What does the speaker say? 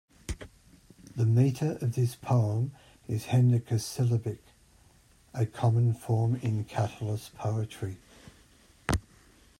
The meter of this poem is hendecasyllabic, a common form in Catullus's poetry.